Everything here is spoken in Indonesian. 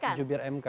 dengan jubir mk